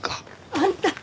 あんた。